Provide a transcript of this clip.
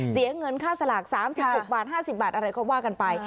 เสียเงินค่าสลาก๓๖บาท๕๐บาทอะไรก็ว่ากันไป